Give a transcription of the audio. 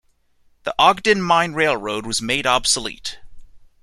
The Ogden Mine Railroad was made obsolete.